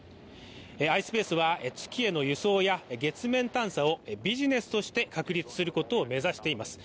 ｉｓｐａｃｅは月への輸送や月面探査をビジネスとして確立することを目指しています。